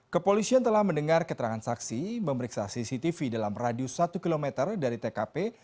kepolisian telah mendengar keterangan saksi memeriksa cctv dalam radius satu km dari tkp